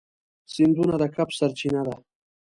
سیندونه د کب سرچینه ده.